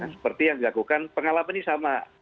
seperti yang dilakukan pengalaman ini sama